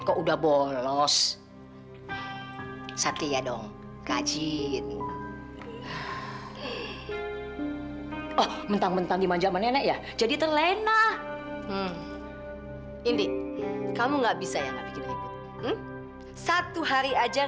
kenapa aku bisa begitu menderita karena kamu dre